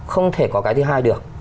không thể có cái thứ hai được